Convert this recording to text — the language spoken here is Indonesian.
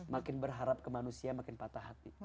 makin berharap ke manusia makin patah hati